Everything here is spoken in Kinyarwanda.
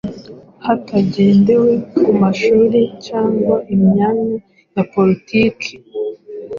hatagendewe ku mashuri cyangwa imyanya ya politiki